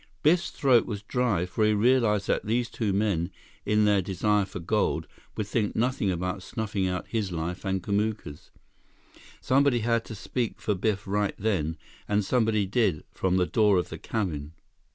Biff's throat was dry, for he realized that these two men, in their desire for gold, would think nothing about snuffing out his life and Kamuka's. Somebody had to speak for Biff right then—and somebody did, from the door of the cabin.